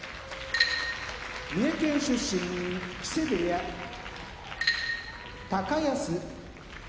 三重県出身木瀬部屋高安